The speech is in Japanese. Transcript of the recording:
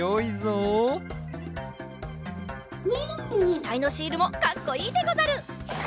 ひたいのシールもかっこいいでござる。